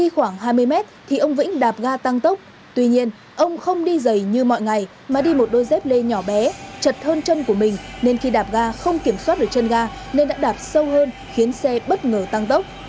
khoảng hai mươi mét thì ông vĩnh đạp ga tăng tốc tuy nhiên ông không đi dày như mọi ngày mà đi một đôi dép lê nhỏ bé chật hơn chân của mình nên khi đạp ga không kiểm soát được chân ga nên đã đạp sâu hơn khiến xe bất ngờ tăng tốc